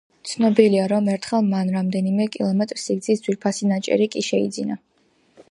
ცნობილია, რომ ერთხელ მან რამდენიმე კილომეტრ სიგრძის ძვირფასი ნაჭერი კი შეიძინა.